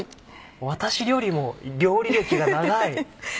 私よりも料理歴が長い！